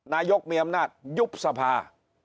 นายกมีอำนาจยุบสภา